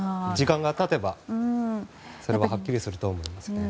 時間が経てばそれがはっきりすると思います。